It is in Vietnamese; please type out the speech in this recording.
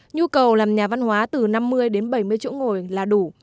nhu cầu làm nhà văn hóa từ năm mươi đến bảy mươi chỗ ngồi là đủ